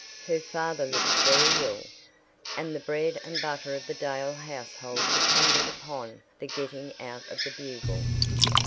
Her father looked very ill, and the bread and butter of the Dale household depended upon the getting out of the Bugle.